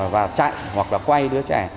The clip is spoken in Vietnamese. và chạy hoặc là quay đứa trẻ